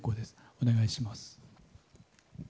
お願いします。